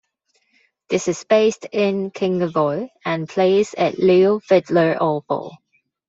This is based in Kingaroy and plays at Lyle Vidler Oval.